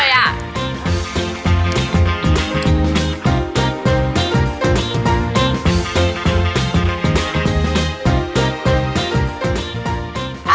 เสร็จแล้วต่อไปทำยังไงต่อคะ